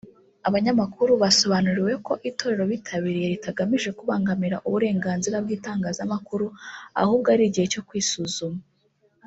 Abanyamakuru basobanuriwe ko itorero bitabiriye ritagamije kubangamira uburenganzira bw’itangazamakuru ahubwo ari igihe cyo kwisuzuma